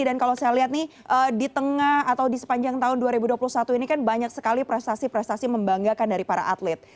dan kalau saya lihat nih di tengah atau di sepanjang tahun dua ribu dua puluh satu ini kan banyak sekali prestasi prestasi membanggakan dari para atlet